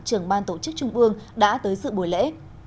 trưởng ban tổ chức trung ương đã tới sự buổi lễ